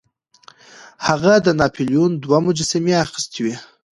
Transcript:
هغه د ناپلیون دوه مجسمې اخیستې وې.